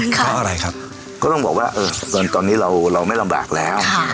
เพราะอะไรครับก็ต้องบอกว่าเงินตอนนี้เราไม่ลำบากแล้ว